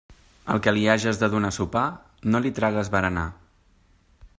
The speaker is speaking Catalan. Al que li hages de donar sopar no li tragues berenar.